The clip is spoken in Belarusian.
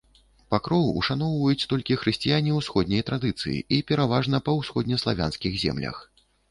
Пакроў ушаноўваюць толькі хрысціяне ўсходняй традыцыі і пераважна ва ўсходнеславянскіх землях.